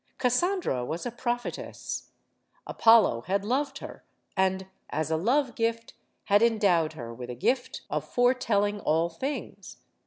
Cassandra was a prophetess. Apollo had loved her, and, as a love gift, had endowed her with a gift of foretelling all things.